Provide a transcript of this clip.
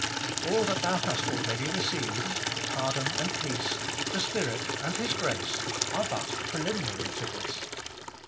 All that thou hast already received — pardon and peace, the Spirit and His grace — are but preliminary to this.